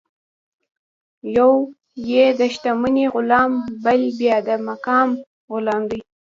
یو یې د شتمنۍ غلام دی، بل بیا د مقام غلام دی.